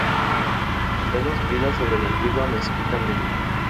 Está construida sobre la antigua Mezquita Mayor.